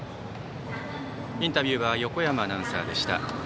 インタビューは横山アナウンサーでした。